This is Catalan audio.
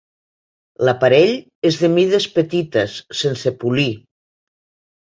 L'aparell és de mides petites, sense polir.